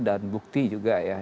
dan bukti juga ya